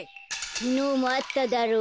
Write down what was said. きのうもあっただろ。